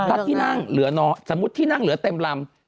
พระที่นั่งเหลือน้อยสมมุติที่นั่งเหลือเต็มลำ